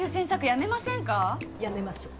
やめましょ。